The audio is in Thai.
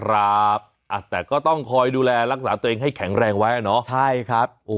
ครับแต่ก็ต้องคอยดูแลรักษาตัวเองให้แข็งแรงไว้อ่ะเนาะใช่ครับ